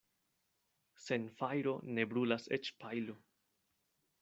Sen fajro ne brulas eĉ pajlo.